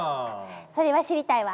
それは知りたいわ。